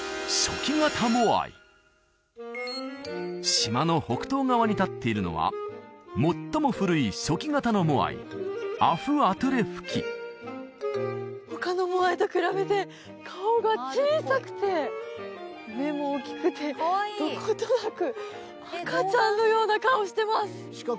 島の北東側に立っているのは最も古い他のモアイと比べて顔が小さくて目も大きくてどことなく赤ちゃんのような顔をしてます